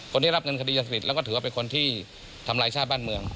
คนที่รับเงินคดียาเสพติดแล้วก็ถือว่าเป็นคนที่ทำลายชาติบ้านเมือง